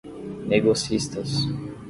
negocistas